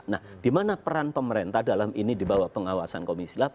nah di mana peran pemerintah dalam ini di bawah pengawasan komisi delapan